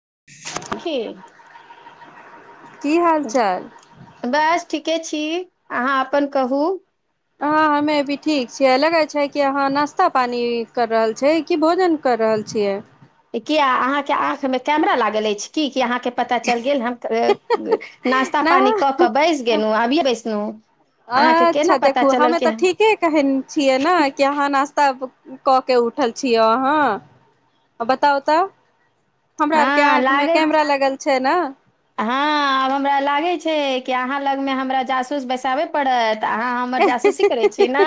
[inaudible] की हाल चाल? बस ठीके छी। अहाँ अपन कहू? हँ हमे भी ठीक छियै, लगै छै कि अहाँ नाश्ता पानी कर रहल छै कि भोजन कर रहल छियै? किया अहाँ के आंख में कैमरा लागल अछि की? कि अहाँके पता चलि गेल, हम नाास्ता न पानी कऽ कऽ बैस गेलहुँ अभियए बैसलहुँ। अहाँके केना अच्छा पता देखू, चलल हमे कि तऽ हम- ठीके कहने छियै ने कि अहाँ नाास्ता कऽ के उठल छियै अहाँ बताउ तऽ। हमरा आरके हाँ आँखि मे लागै, कैमरा लगल छै ने हाँ आब हमरा लागै छै। की अहाँ लग मे हमरा जासूस बैसाबै पड़त। त अहाँ हमर जासूसी करै छी नै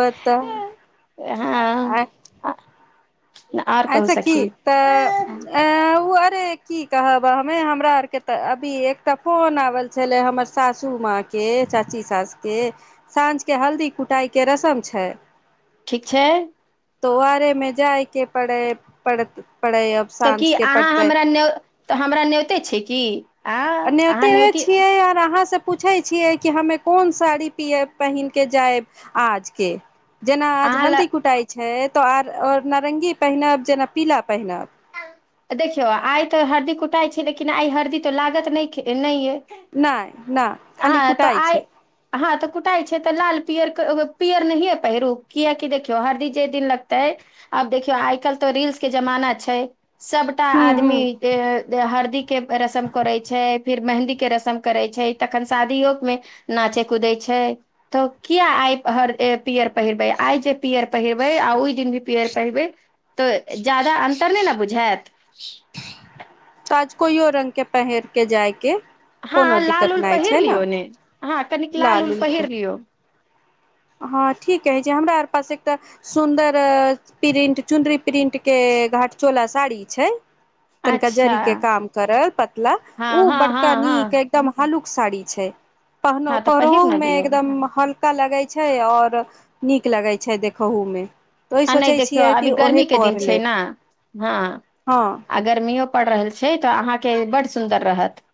बताउ हाँ, आ अच्छा की तऽ अ उ अरे की कहब, हमे हमरा आरके तऽ अभी एकटा फोन आवल छले हमर सासू माँ के, चाची सास के, साँझके हल्दी कुटाइ के रसम छै। ठीक छै। तो आरे मे जाय के पड़े पड़त। पड़ै अब तऽ साँझ की के अहाँ पड़तै हमरा न्यौ तऽ हमरा नौयतै छै की। आ अ अहाँ न्योतैबै न्योती छियै आर अहाँ सब पूछै छियै कि हमे कोन साड़ी पिये पहिन के जायब आज के। जेना आज अहाँ लग हल्दी कुटाई छै। तो आर और नारंगी पैहनब, जेना पीला पैहनब। देखियौ आय ते हरदी कुटाई छै, लेकिन आय हरदी तो लागत नैखे नैये। नहि नहि खाली अहाँ तऽ कुटाइ आय छै हाँ तऽ कुटाय छै ते लाल पियर कै अ पियर नहिये पैहरु, कियाकि देखियो हरदी जे दिन लगते, आब देखियो आय काएल तो रील्स के जमाना छै। सबटा हूँ आदमी हूँ के जे हरदी के रसम करे छै, फिर मेंहदी के रसम करे छै, तखन शादियो मे नाचे कुदे छै तो किया आय हर ए पियर पहिरबे, आय जे पियर पहिरबे आ ओय दिन जे पीयर पहिरबे तो जादा अंतर नै ने बुझा झाएत। आज कोइयो रंग के पहिर के जाय के हाँ लाल-उल पहिर लियौ ने, हाँ कनिक लाल-उल पहिर लियौ। हाँ ठीक कहै छी, हमरा आर पास एकटा सुन्दर प्रिंट, चुन्दरी प्रिंट के घाटचोला साड़ी छै। तनका अच्छा जरी के काम करल पतला, हँ उ हँ बड़का हँ नीक हँ एकदम हलुक साड़ी छै। पहनो हँ तऽ पहिर पहरऊ ने मे लियौ एकदम हल का लगै छै और नीक लगै छै देखहु मे। ओहि आ नै सोचै देखियौ छियै कि अभी ओहे गर्मी के दिन पहर छै लेब ने, हाँ हँ आ गर्मियो पड़ रहल छै ते अहाँ के बड्ड सुन्दर रहत।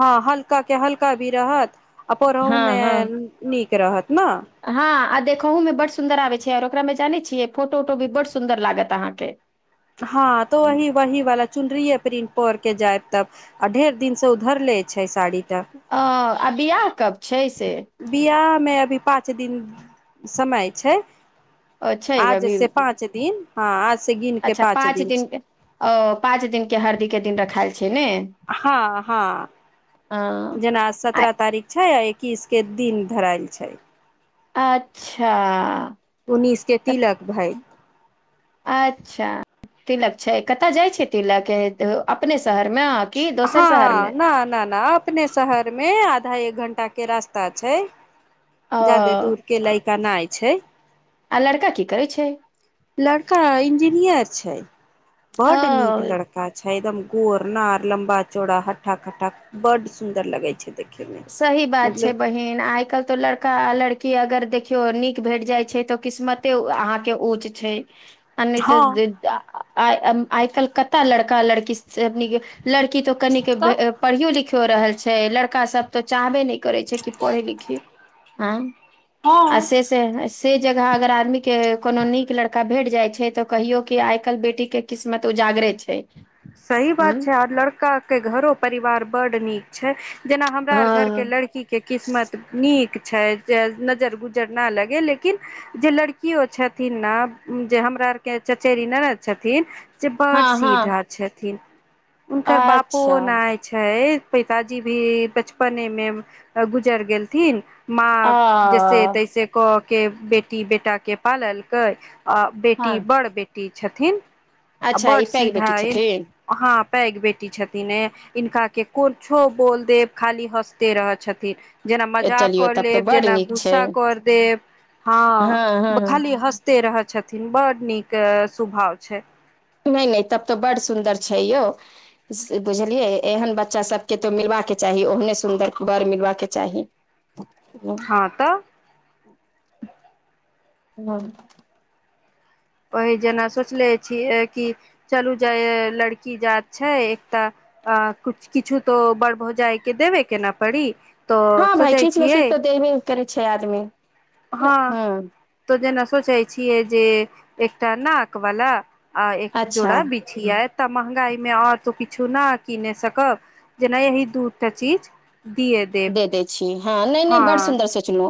हाँ हल्का के हल्का भी रहत आ परहू में नीक रहत। न हाँ आ दे खहु में बड सुन्दर आबै छै और ओकरा मे जानै छियै फोटो-उटो भी बड सुन्दर लागत अहाँ के। हाँ तो वही, वही वाला चुनरिये प्रिंट पर के जाएब। तब अ ढेर दिन से उ धरले छै साड़ी। तऽ आ आ बियाह कब छै। से बियाह मे अभी पाँच दिन - समय छै। अ छै आज अभी से पाँच दिन हाँ। अच्छा पाँच दिन के ओ पाँच दिन के हरदी के दिन रखायल छै ने हां हां, अ जेना आ सतरह तारख छै। किसके दिन धरायल छै। अच्छा। उन्नीस के त तिलक भय अच्छा, तिलक छै, कत जाइ छै तिलक, अपने से हां, न न न अपने शहरमे आधा एक घंटा के रास्ता छै। ओ जादे दुर के लय तेनाइ छै। आ लड़का कि करै छै? लड़का इंजिनियर छै। ओ बड निक लड़का छै एकदम गोर नार लम्बा चौड़ा हट्ठा कट्ठा बड सुंदर लगै छै। देखे मे सही बात छै मतलब बहिन, आइ काल्हि त लड़का आ लड़की अगर देखियौ नीक भेट जाइ छै त किस्मते अहांके उंच छै। आ नै त हँ दि दा आइ आइ काल्हि कत लड़का लड़की से अपनी के लड़की त कनिके तऽ पढ़ियो लिख हो रहल छै लड़का सब त चाहबे नै करै छै कि पढ़ी लिखी, हां। आ हँ से से तै जगह अगर आदमी के कोनो नीक लड़का भेट जाइ छै त कहियो कि आइ काल्हि बेटी के किस्मत उजागरे छै। सही बात छै, हूँ आर लड़का के घरो परिवार बड नीक छै। जेना हमरा आर घरके हँ लड़कीके किस्मत नीक छै, जे नजर गुजर ना लगै, लेकिन जे लड़कियो छथिन ने जे हमरा आरके चचेरी ननद छथिन बड हँ हँ सीधा छथि थिन। हुनकर बापो अच्छा ओनाये छै। पिताजी भी बचपने मे अ गुजर गेलथिन। माँ आ जैसे-तैसे क के बेटी बेटा के पाललकै आ हँ बेटी बड़ बे टी छथिन। अच्छा ई पैग बेटी छथी। हाँ पैग बेटी छ ती नै, इनका के कोछो बोल देब, खाली हँसते रहै छथि। जेना ए मजाक चलियौ कर तब तऽ लेब, बड्ड जेना नीक छै गुस्सा कर देब, हाँ हँ हँ खाली हँसते रह छथिन, बड नीक सुभाव छै। नै नै तब तऽ बड्ड सुन्दर छैयौ, स बुझलियै एहन बच्चा सब के ते मिलबा के चाही, ओहने सुन्दर बड़ मिलबा के चाही। हाँ तऽ [unintelligible] ओही जेना सोचले छियै कि चलू जै लड़की जात छै, एक तऽ अ कुछ किछु तो बड़ भौजाय के देबे के ना पड़ी। तऽ हाँ भाय सोचै किछ ने छियै किछ ते देबै करै छै आदमी, हँ हाँ। तऽ जेना सोचै छियै जे एकटा नाक वला आ एक अच्छा जोड़ा बिछिया तऽ महंगाई मे और तो किछु न कीनै सकब, जेना यही दूटा चीज दिए देब दे दै छी, हाँ नै नै हँ बड सुन्दर सोचलौ।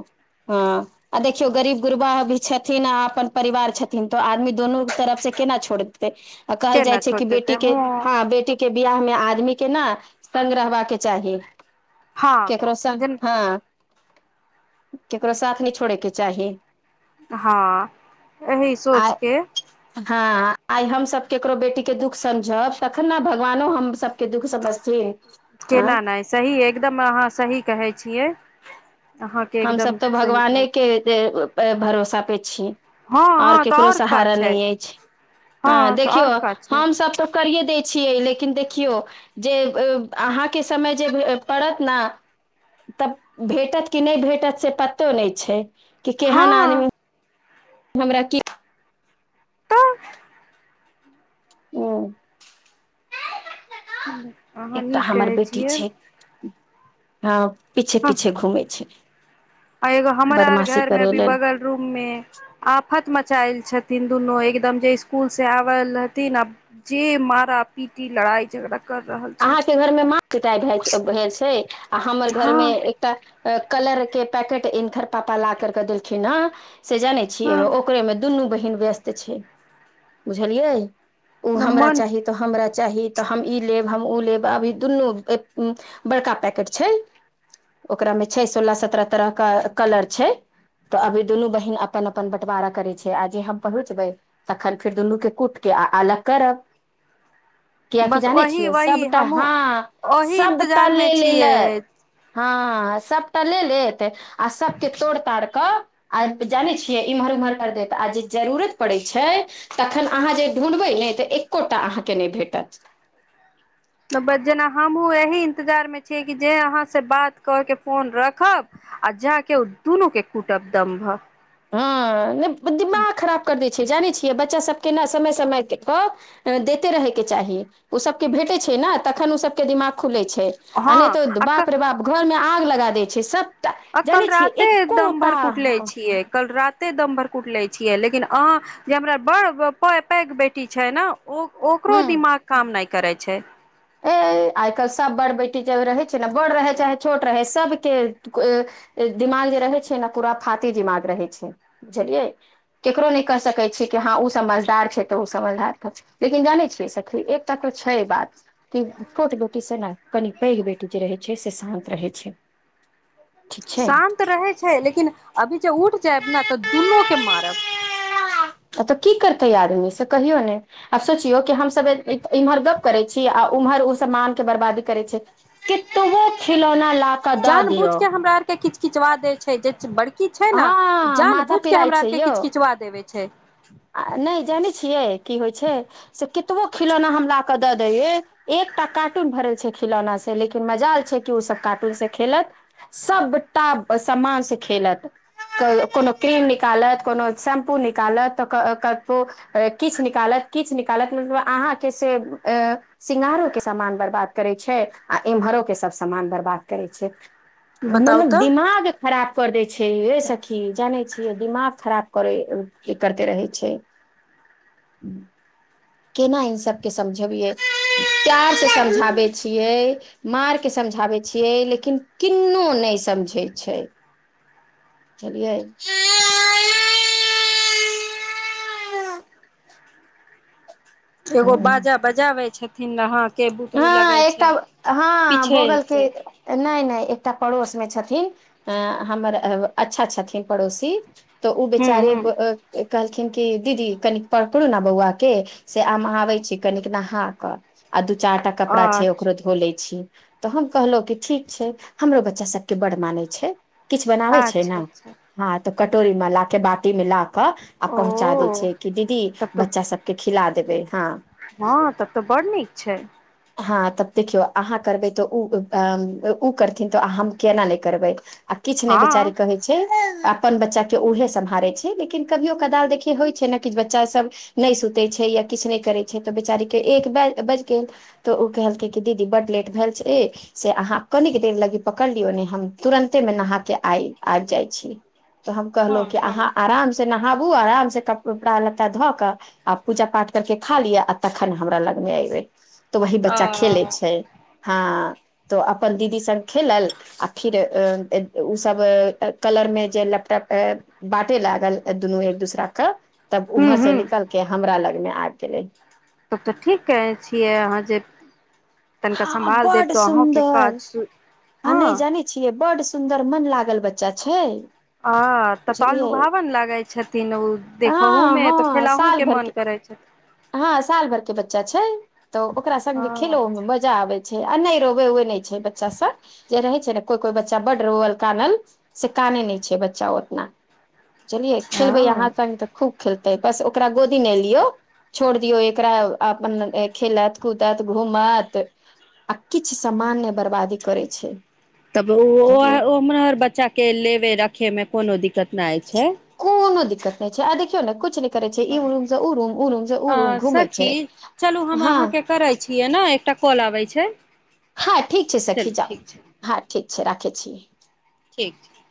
हाँ आ देखियौ गरीब गुरबा भी छथिन आ अपन परिवार छथिन, तऽ आदमी दोनू तरफ से केना छोड़ ते अ कहल केना जाय छै छोड़ कि देते बेटी के, हँ हाँ बेटी के बिहा मे आ मी के नै संग रहबा के चाही। हँ केकरो से जेन हाँ। केकरो साथ नै छोड़े के चाही। हाँ एही सोच के हाँ आय हम सब केकरो बेटी के दुःख समझब, तखन ने भगवानो हम सबके दुःख समझ थिन। केना नै सही एगदम अहाँ सही कहै छियै। अहाँके हम एकदम सब ते सही कहै भगवाने के छी [unintelligible] ए भरोसा पे छी। हँ और हँ तऽ केकरो आओर का सहारा नै छै एछ, हँ हाँ तऽ देखियौ आओर का छै हम सब तो करिये ते छियै लेकिन देखियौ जे अहाँके समय जे पड़त न त भेटत। कि नै भेटत से पतो नहि छै। कि केहन हँ आदमी। हमरा की। तऽ ह अहाँ नि कहै छियै। हाँ। पीछे-पीछे घूमै छी। आ एगो हमरा आर घर मे अभी लेल बगल रूम में आफत मचायल। छथिन दुनू एकदम जे स्कुल से आबल रहथिन आ जे मारा पीटी लड़ाइ झगड़ा। कर रहल छै अहाँके घरमे माछ चिटाइ भैइ भए छै आ हमर हँ घरमे एकटा। कलर के पैकेट इंनथर पापा ला कर के देलखिन न। से जानै छीये हँ ओकरे में दुनू बहिन। व्यस्त छै बुझलियै। ओ हमरा मन चाही तऽ हमरा चाही तऽ हम ई लेब। हम ऊ लेब आब ई दुनू बरका पैकेट छै ओकरा में छै सोलह सतरह तरह के कलर छै त अभी दुनू बहिन अपन अपन बंटवारा करै छै आ जे हम पहुंचबईं तक्खन फेर दुनू के कूट के आ अलग करब। बस ओहि। सबटाऽ हँ सबटा मे ले लेलै। छियै हँ सभटा ले लेत आ सभके तोड़ ताड़ कऽ आ जानै छियै इम्हर उम्हर कर देत आ जे जरूरत पड़ैत छै तखन अहाँ जे ढूँढ़बै ने तऽ एकोटा अहाँके नहि भेटत। त बस जेना हमहु एहि इन्तजारमे छियै कि जे अहाँस बात करके फोन रखब आ जााकऽ ओ दुनूके कूटब दम्भर। हँ नै दिग खराब कर दै जानै छियै बच्चा सभके ने समय समय देैते रहैके चाही ओ सभके भेटैत छै ने तखन ओ सभके दिमाग खुलै छै आ नहि हँ तऽ बाप रे बाप घर मे आ लगा दै छै सब। अ कल राते दम भर कुटलै छीए कल रात। राते दम भर कुटले छियै लेकिन अहाँ जे हमरा बड़ पैघ बेटी छै न। ओ ओकरो हूँ दिमाग काम नै करै छै। ए आइ काल्हि सभ बड़ बेटी जब रहै छै ने बड़ रहै चाहे छोट रहै सभके दिमाग जे रहै छै ने पूरा फाात दिमाग रहै छै बुझलियै ककरो नहि कहि सकै छ कि हँ ओ समझदार छै तऽ ओ समझदार लेकिन जानै छियै सखी एकटा तऽ छै बात। कि छोट बेटीसँ न कनि पैघ बेटी जे रहै छै से शान्त रहै छै। ठीक छै शान्त रहै छै लेकिन अभी जे उठ। जायब न तऽ दुनू के मारब। तऽ की करतै आदमी से कहियौ ने आब सोचियौ हमसभ इमर गप करै छी आ उमहर ओ सब मान के बर्बादी करै छै केतबो खेलौना जान बूझ के हमरा आरके किच किचवा दै छै जे बड़ हाँ माथा पिराए छैयौ, किचकिचवा देवे छै अ नै जानै छियै की होय छै से कितबो खिलौना हम ला के दऽ दैे एकटा कार्टून भरल छै खिलौना से, लेकिन मजाल छै कि उ सब कार्टून से खेलत, सबटा समान से खेलत। कै कोनो क्रीम निकालत, कोनो शैम्पू निकालत तऽ क कतबो अ किछ निकालत, किछ निकालत, मतलब अहाँ के से ए सिंगारो के समान बर्बाद करै छै आ इम्हरो के सब समान बर्बाद करै छै। बताउ मतलब तऽ दिमाग खराब कर दै छै। हे हे ए सखी जानै छिय दिमाग खराब करे करते रहे छै। केना इ सभके समझबियै प्यारसे समझाबै छियै मारके समझाबै छियै लेकिन किन्ननो नहि समझै छै बुझलियै। एगो बाजा बजाबै छै। थी न हाथ के बुतरू हाँ लगै एकटा हाँ पीछे बगल के से नै नै। त पड़ोस मे छथि, एं हमर अब अच्छा छथिन पड़ोसी। तऽ उ हूँ बेचारी हूँ ब अ ए कहलखिन की दीदी कनिक पकड़ू ना बौअवा के से हम आबै छी कनिक नहा के आ दु चारटा कपड़ा छै ओकरो अच्छा धो लै छी। तऽ हम कहलौ कि ठीक छै, हमरो बच्चा सबके बड़ मानै छै। किछ बनाबै छै अच्छा न अच्छा हाँ तऽ कटोरी मे ला के, बाटी मे ला के आ पहुँचा दैय ओ छै कि दीदी बच्चा सब के खिला देबे हाँ। हाँ तब ते बड़ नीक छै। हाँ तब देखियौ अहाँ करबै तऽ उ अ उ करथिन तऽ अहाँ हम केना नै करबै। आ किछ नै बेचारी हँ कहै छै आ अपन बच्चा के ऊहे सम्हारै छै, लेकिन कभियो कदाल देखियै होय छै ने कि बच्चा सब नै सुतै छै या किछ नै करै छै तऽ बेचारी के एक बे बैज गेल तो उ केहेलकै कि दीदी बड लेट भेल छै, ए से अहाँ कनिक देर लगी पकड़ लियौ ने हम तुरन्ते मे नहा के आइ आ जाय छी, तऽ हम हँ कहलौ कि हँ अहाँ अराम से नहाबू, अराम से कपड़ा लत्ता धऽ के आ पूजा-पाठ करके खा लिया, आ तखन हमरा लग मे एबे। तऽ वही आ बच्चा खेलै छै। हाँ तो अपन दीदी संग खेलल आ फिर ए ए उ सब ए कलर मे जे लैपटॉप ए बाटे लागल, दुनू एक दूसरा के तब हूँ उम्हर से हूँ निकल के हमरा लग मे आब गेलै। तब ते ठीक कहै छियै अहाँ जे तनिका हाँ सम्भाल देब बड तऽ अहूँके काज सुन्दर सु आ हँ नै जानै छियै बड सुन्दर मन लागल बच्चा छै। हाँ तब ते और बुझलियै लुभावन लागै छथिन उ देखहु हँ मे हँ तऽ खेलहु साल के भर मन करै छथि। च्चा छै। त ओकरा संग भी खेलो मे म आ नहि रोवै-ओेवै नहि छै बच्चासब। जे रहै छै ने कोइ कोइ बच्चा बड्ड रोवल कानल, से कानै नहि छै बच्चा ओ ओतना। चलियै, खेलबै अहाँ हँ संग तऽ खूब खेलतेै। बस ओकरा गोदी मे लियौ। छोड़ दिऔ एकरा अपन खेलत, कूदत, घूमत। आ किछु सामान नै बर्बादी करै छै। तब उ ओह बुझलियै ओम्हर बच्चा के लेबे रखे मे कोनो दिक्कत नाय छै। कोनो दिक्कत नै छै आ देखियौ ने कुछ नै हँ। सँ घूमै सखी, छै चलू हम हँ अहाँके करै छियै नै, एकटा कॉल आबै छै। चलू, ठीक छै। अच्छे, राखै छी। ठीक छै।